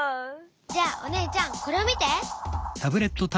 じゃあお姉ちゃんこれを見て！